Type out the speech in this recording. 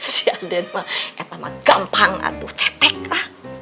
si aden mah itu mah gampang atuh cetek lah